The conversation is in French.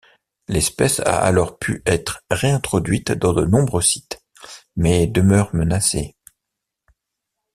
L'espèce a alors pu être réintroduite dans de nombreux sites, mais demeure menacée.